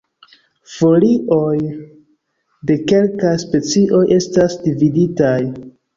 Folioj de kelkaj specioj estas dividitaj.